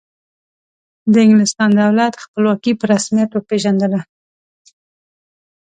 د انګلستان دولت خپلواکي په رسمیت وپیژندله.